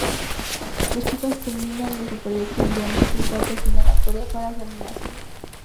Los chicos culminan el proyecto enviando el corte final a Corea para su animación.